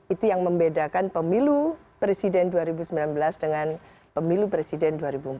itu yang membedakan pemilu presiden dua ribu sembilan belas dengan pemilu presiden dua ribu empat belas